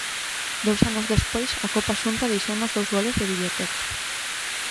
Dous anos despois, a Copa Xunta deixounos dous goles de videoteca.